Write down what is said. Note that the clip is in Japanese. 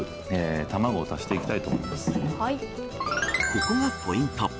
ここがポイント。